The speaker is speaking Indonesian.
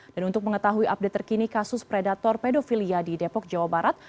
dan untuk mengetahui update terkini kasus predator pedofilia di depok jawa barat